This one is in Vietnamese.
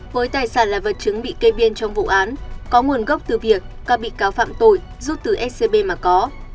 với tài sản là vật chứng bị kê biên trong vụ án có nguồn gốc từ việc các bị cáo phạm tội rút từ scb mà có